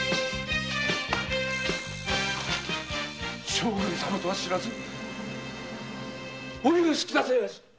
将軍様とは知らずお許し下さい。